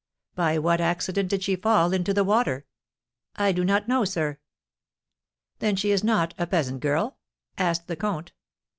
"By what accident did she fall into the water?" "I do not know, sir." "Then she is not a peasant girl?" asked the comte.